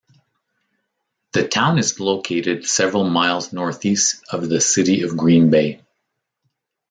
The town is located several miles northeast of the city of Green Bay.